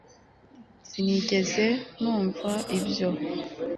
Sinigeze numva ibyo